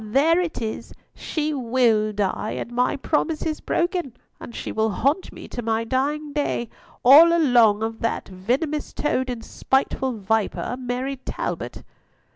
there it is! She will die, and my promise is broken, and she will haunt me to my dying day, all along of that venomous toad and spiteful viper, Mary Talbot."